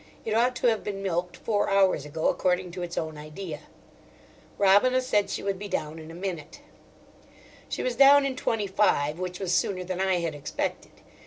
It ought to have been milked four hours ago, according to its own idea." Robina said she would be down in a minute. She was down in twenty five, which was sooner than I had expected.